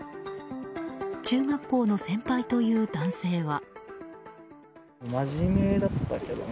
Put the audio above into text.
中学校の先輩という男性は。